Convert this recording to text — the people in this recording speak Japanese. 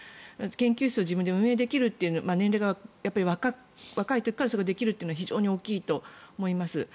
研究室を自分で運営できるという年齢が若い時からそれができるのは非常に大きいと思います。